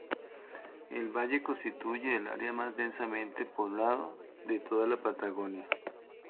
El valle constituye el área más densamente poblada de toda la Patagonia.